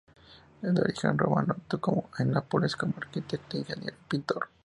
De origen romano, actuó en Nápoles como arquitecto, ingeniero y pintor.